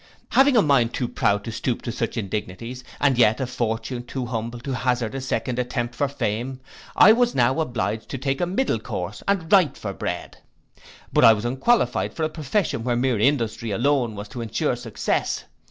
'Having a mind too proud to stoop to such indignities, and yet a fortune too humble to hazard a second attempt for fame, I was now, obliged to take a middle course, and write for bread. But I was unqualified for a profession where mere industry alone was to ensure success.